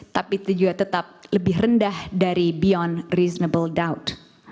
tapi itu juga tetap lebih rendah dari beyond reasonable doubt